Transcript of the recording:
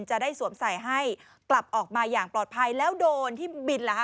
จะได้สวมใส่ให้กลับออกมาอย่างปลอดภัยแล้วโดนที่บินเหรอคะ